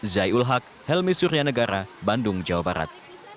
zaiul hak helmi surya negara bandung jawa barat